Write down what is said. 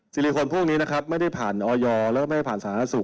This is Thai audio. ซิลิโคนพวกนี้ไม่ได้ผ่านออยยและสหราสุก